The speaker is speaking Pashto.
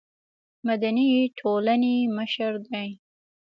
مدني ټولنې مشر دی.